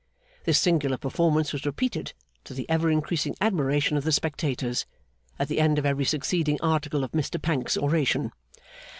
This singular performance was repeated, to the ever increasing admiration of the spectators, at the end of every succeeding article of Mr Pancks's oration.